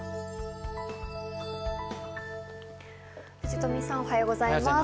藤富さんおはようございます。